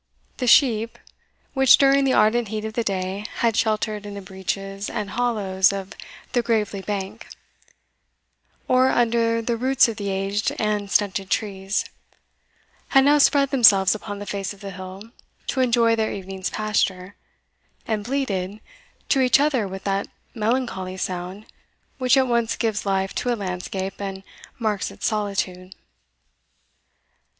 The sheep, which during the ardent heat of the day had sheltered in the breaches and hollows of the gravelly bank, or under the roots of the aged and stunted trees, had now spread themselves upon the face of the hill to enjoy their evening's pasture, and bleated, to each other with that melancholy sound which at once gives life to a landscape, and marks its solitude.